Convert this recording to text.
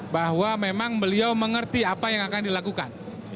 bahwa memang beliau mengerti apa yang akan dilakukan